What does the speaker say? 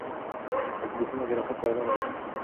تکلیفونه د راحت پیلامه ده.